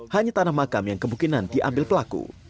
hanya tanah makam yang kemungkinan diambil pelaku